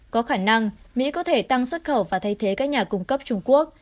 có khả năng mỹ có thể tăng xuất khẩu và thay thế các nhà cung cấp trung quốc